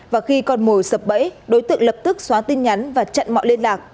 và khi con mồi sập bẫy đối tượng lập tức xóa tin nhắn và chặn mọi liên lạc